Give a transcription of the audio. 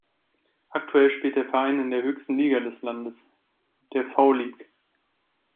Aktuell spielt der Verein in der höchsten Liga des Landes, der V-League.